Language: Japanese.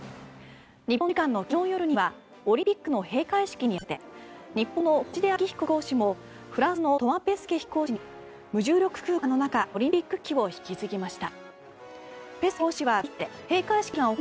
日本時間の昨日夜にはオリンピックの閉会式に合わせてフランスのトマ・ペスケ飛行士に無重力空間の中オリンピック旗を引き継ぎました。